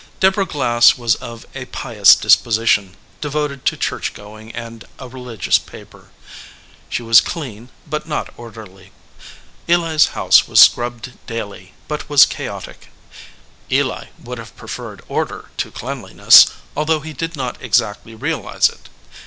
Deborah Glass was of a pious disposition, devoted to church going and a religious paper. She was clean, but not orderly. Eli s house was scrubbed daily, but was chaotic. EH would have preferred order to cleanliness, although he did not exactly realize it.